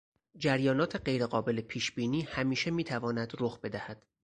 جریانات غیرقابل پیشبینی همیشه میتواند رخ بدهد.